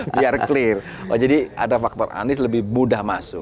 biar clear jadi ada faktor anies lebih mudah masuk